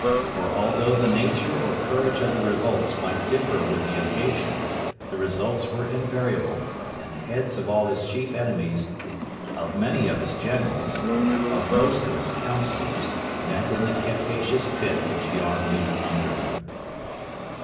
For although the nature or courage of the revolts might differ with the occasion, the results were invariable; and the heads of all his chief enemies, of many of his generals, of most of his councillors, met in the capacious pit which yawned in Omdurman.